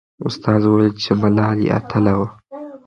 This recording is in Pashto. استاد وویل چې ملالۍ اتله وه.